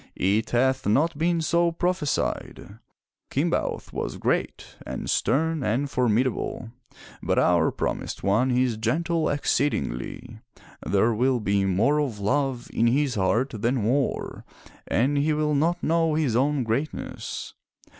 "It hath not been so prophe sied. Kimbaoth was great and stem and formidable. But our promised one is gentle exceedingly. There will be more of love in his heart than war, and he will not know his own greatness."